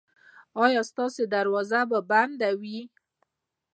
ایا ستاسو دروازه به بنده وي؟